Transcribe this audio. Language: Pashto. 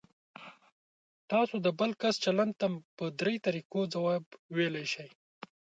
تاسو د بل کس چلند ته په درې طریقو ځواب ویلی شئ.